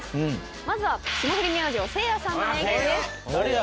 まずは霜降り明星せいやさんの名言です。